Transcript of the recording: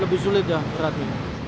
lebih sulit ya berarti